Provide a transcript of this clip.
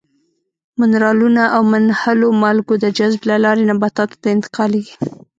منرالونه او منحلو مالګو د جذب له لارې نباتاتو ته انتقالیږي.